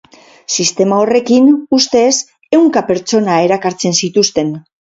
Sistema horrekin, ustez, ehunka pertsona erakartzen zituzten.